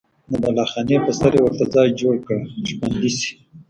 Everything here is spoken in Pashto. د بالاخانې په سر یې ورته ځای جوړ کړل چې خوندي شي.